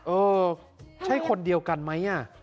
เออใช่คนเดียวกันมั้ยอ่ะ